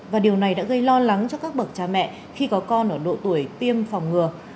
và điều này đã gây lo lắng cho các bậc cha mẹ khi có con ở độ tuổi tiêm phòng ngừa